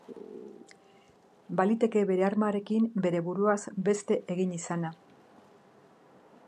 Baliteke bere armarekin bere buruaz beste egin izana.